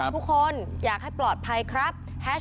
ทุกคนอยากให้ปลอดภัยครับ